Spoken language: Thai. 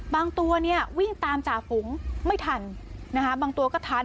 บางตัวเนี้ยตามจ่าขุงไม่ทันนะฮะบางตัวก็ทัน